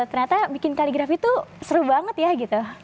ternyata bikin kaligrafi itu seru banget ya gitu